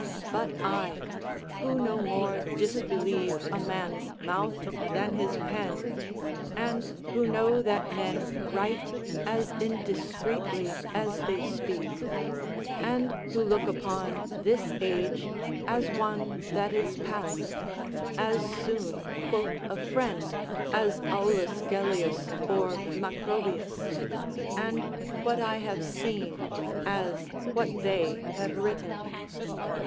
But I, who no more disbelieve a man's mouth than his pen, and who know that men write as indiscreetly as they speak, and who look upon this age as one that is past, as soon quote a friend as Aulus Gelliusor Macrobius; and what I have seen, as what they have written.